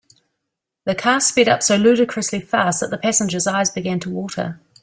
The car sped up so ludicrously fast that the passengers eyes began to water.